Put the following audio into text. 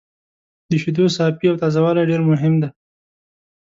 د شیدو صافي او تازه والی ډېر مهم دی.